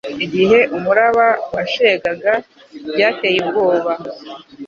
Igihe umuraba washegaga, byatcye ubwoba,